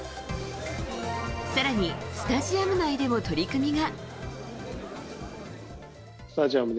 更に、スタジアム内でも取り組みが。